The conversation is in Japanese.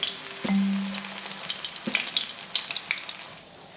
うん。